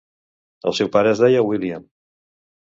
El seu pare es deia William.